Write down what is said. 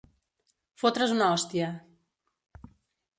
Fotre's una hòstia.